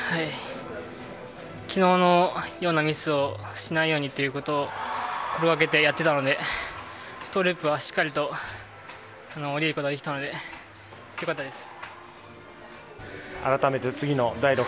昨日のようなミスをしないようにということを心がけてやっていたのでトウループはしっかりと降りることができたので良かったです。